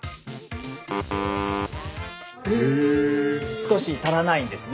少し足らないんですね。